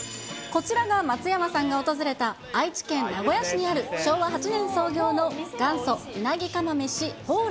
こちらが松山さんが訪れた、愛知県名古屋市にある昭和８年創業の元祖うなぎ釜めし蓬莱。